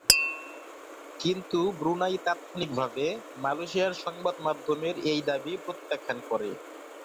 কিন্তু ব্রুনাই তাৎক্ষণিকভাবে, মালয়েশিয়ার সংবাদমাধ্যমের এই দাবি প্রত্যাখ্যান করে।